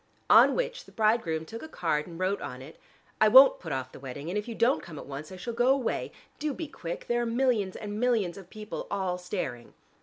On which the bridegroom took a card and wrote on it: "I won't put off the wedding, and if you don't come at once, I shall go away. Do be quick: there are millions and millions of people all staring."